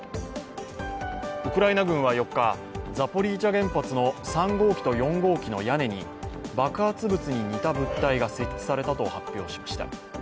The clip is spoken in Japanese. ウクライナ軍は４日、ザポリージャ原発の３号機と４号機の屋根に爆発物に似た物体が設置されたと発表しました。